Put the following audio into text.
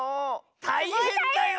たいへんだよ。